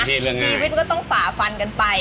ชีวิตก็ต้องฝ่าฟันกันไป